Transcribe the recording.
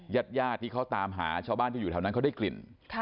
ญาติญาติที่เขาตามหาชาวบ้านที่อยู่แถวนั้นเขาได้กลิ่น